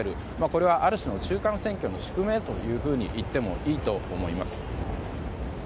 これは、ある種の中間選挙の宿命といってもいいと思います。